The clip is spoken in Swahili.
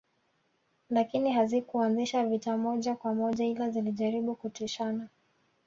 Lakini hazikuanzisha vita moja kwa moja ila zilijaribu kutishana